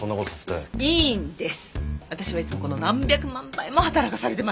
私はいつもこの何百万倍も働かされてます